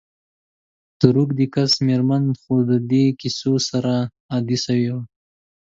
د روږدې کس میرمن خو د دي کیسو سره عادي سوي وه.